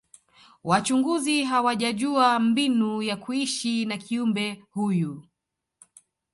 wachunguzi hawajajua mbinu ya kuishi na kiumbe huyu